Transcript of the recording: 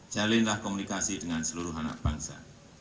jalinlah komunikasi dengan seluruh anak bangsa